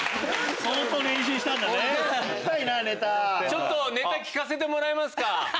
ちょっとネタ聞かせてもらえますか？